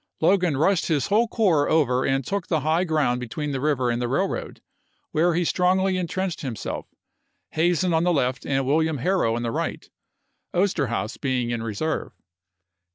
Logan rushed his whole corps over and took the high ground between the river and the railroad, where he strongly intrenched himself, Hazen on the left and William Harrow on the right, Osterhaus being in reserve.